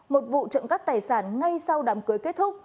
một vụ trận cắt tài sản ngay sau đám cưới kết thúc